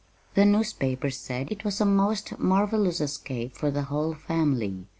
The newspapers said it was a most marvelous escape for the whole family.